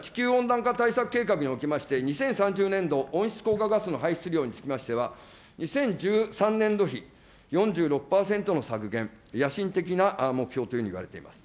昨年１０月に閣議決定されました、地球温暖化対策計画におきまして、２０３０年度温室効果ガスの排出量につきましては、２０１３年度比、４６％の削減、野心的な目標というふうにいわれております。